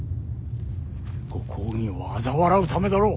ご公儀をあざ笑うためだろう！